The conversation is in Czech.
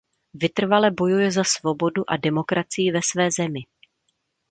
Vytrvale bojuje za svobodu a demokracii ve své zemi.